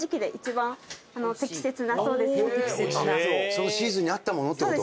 そのシーズンに合ったものってこと。